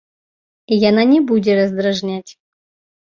Яна не будзе раздражняць.